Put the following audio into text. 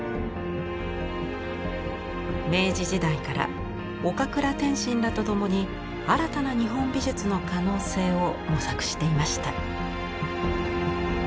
明治時代から岡倉天心らと共に新たな日本美術の可能性を模索していました。